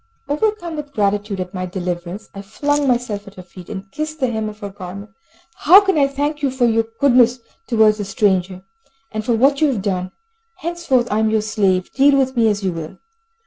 Overcome with gratitude at my deliverance, I flung myself at her feet, and kissed the hem of her garment. "How can I thank you for your goodness towards a stranger, and for what you have done? Henceforth I am your slave. Deal with me as you will!"